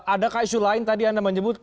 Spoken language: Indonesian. adakah isu lain tadi anda menyebut